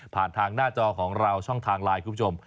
ผ่านทางหน้าจอของเราช่องทางไลน์คุณผู้ชม